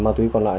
ba túy còn lại